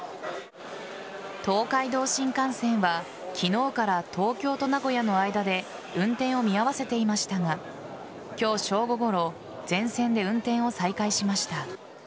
東海道新幹線は昨日から東京と名古屋の間で運転を見合わせていましたが今日正午ごろ全線で運転を再開しました。